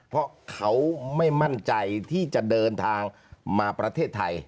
เพราะเขาไม่มั่นใจที่จะเดินทางมาประเทศไทย